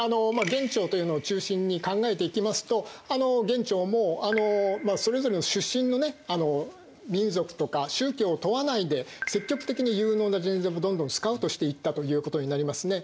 元朝というのを中心に考えていきますと元朝もそれぞれの出身のね民族とか宗教を問わないで積極的に有能な人材をどんどんスカウトしていったということになりますね。